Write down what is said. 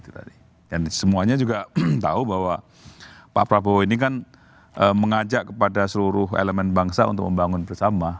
dan semuanya juga tahu bahwa pak prabowo ini kan mengajak kepada seluruh elemen bangsa untuk membangun bersama